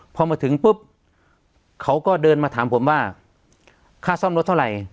พอมาถึงปุ๊บเขาก็เดินมาถามผมว่าค่าซ่อมรถเท่าไหร่